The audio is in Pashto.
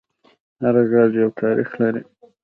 هر غږ یو تاریخ لري